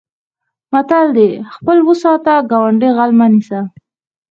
متل دی: خپل و ساته ګاونډی غل مه نیسه.